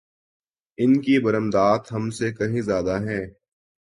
ان کی برآمدات ہم سے کہیں زیادہ ہیں۔